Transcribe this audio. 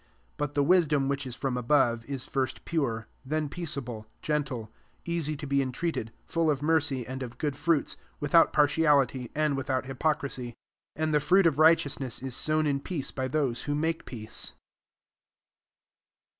17 But the wisdom which is from above, is first pure, then peaceable, gentle, easy to be entreated, full of mercy and of good fruits, without partiali ty, [and] without hypocrisy. 18 Ana the fruit of righteousness is sown in peace by those who make peace.